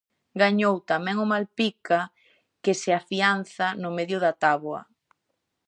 Gañou tamén o Malpica, que se afianza no medio da táboa.